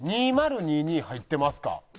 「２０２２」入ってますか？